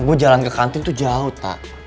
gue jalan ke kantin tuh jauh pak